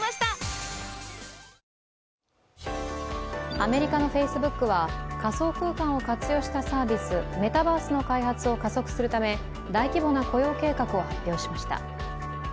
アメリカのＦａｃｅｂｏｏｋは仮想空間を活用したサービス、メタバースの開発を加速するため大規模な雇用計画を発表しました。